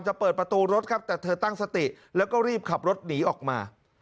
จะเปิดประตูรถครับแต่เธอตั้งสติแล้วก็รีบขับรถหนีออกมา